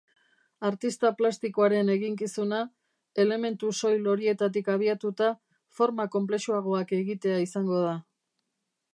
Artista plastikoaren eginkizuna, elementu soil horietatik abiatuta, forma konplexuagoak egitea izango da.